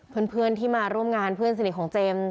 เพื่อนที่มาร่วมงานเพื่อนสนิทของเจมส์